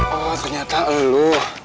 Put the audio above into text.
oh ternyata lo